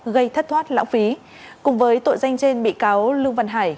gây thất thoát lãng phí cùng với tội danh trên bị cáo lương văn hải